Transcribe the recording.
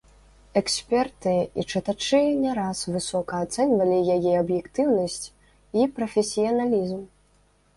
Эксперты і чытачы не раз высока ацэньвалі яе аб'ектыўнасць і прафесіяналізм.